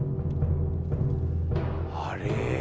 あれ？